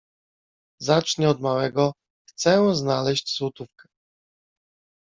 Zacznie od małego: „Chcę znaleźć złotówkę!”.